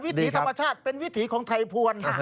วิถีธรรมชาติเป็นวิถีของไทยภวร